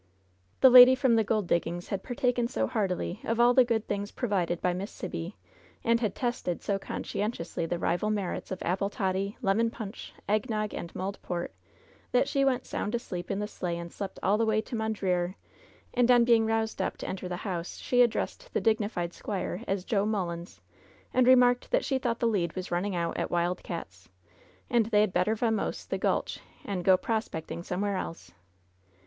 The lady from the gold diggings had partaken so heartily of all the good things provided by Miss Sibby, and had tested so conscientiously the rival merits of apple toddy, lemon punch, eggnogg and mulled port, that she went sound asleep in the sleigh and slept all the way to Mondreer and on being roused up to enter the house she addressed the dignified squire as Joe MuUins, and remarked that she thought the lead was running out at Wild Cats', and they had better vamose the gulch and go prospecting some'eres else.